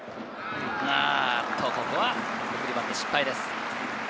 ここは送りバント失敗です。